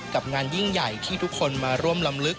กับงานยิ่งใหญ่ที่ทุกคนมาร่วมลำลึก